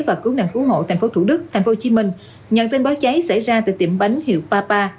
và cứu nạn cứu hộ tp hcm nhận tin báo cháy xảy ra tại tiệm bánh hiệu papa